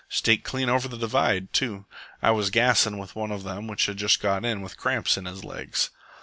Staked clean over the divide, too. I was gassin' with one of them which has just got in with cramps in his legs."